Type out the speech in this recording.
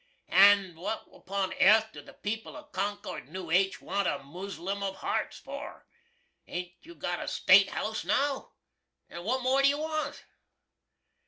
And what upon airth do the people of Concord, N.H., want a Muslum of Harts for? Hain't you got the State House now? & what more do you want?